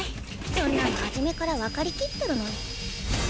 そんなの初めからわかりきってるのに。